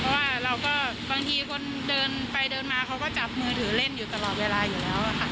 เพราะว่าเราก็บางทีคนเดินไปเดินมาเขาก็จับมือถือเล่นอยู่ตลอดเวลาอยู่แล้วค่ะ